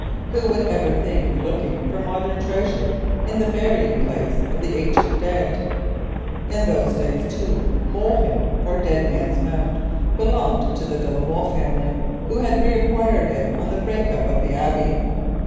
Who would ever think of looking for modern treasure in the burying place of the ancient dead? In those days, too, Molehill, or Dead Man's Mount, belonged to the de la Molle family, who had re acquired it on the break up of the Abbey.